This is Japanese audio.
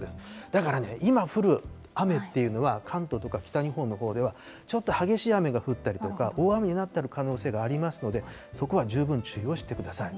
だからね、今降る雨っていうのは、関東とか北日本のほうでは、ちょっと激しい雨が降ったりとか、大雨になったりする可能性がありますので、そこは十分注意をしてください。